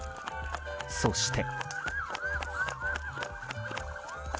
そして。